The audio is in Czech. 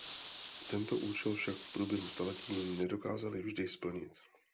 Tento účel však v průběhu staletí nedokázaly vždy splnit.